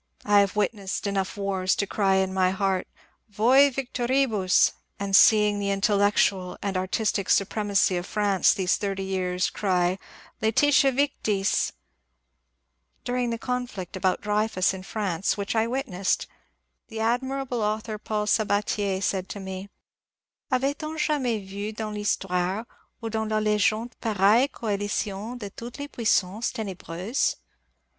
I have witnessed enough wars to cry in my heart Vce victoribus I and seeing the intellectual and artistic supremacy of France these thirty years cry Lcetitia victU I During the conflict about Dreyfus in France, which I witnessed, the admirable author Paul Sabatier said to me, ^^ Avait on jamais vu dans Thistoire ou dans la l^gende pareille coalition de toutes les puissances t^n^reuses?"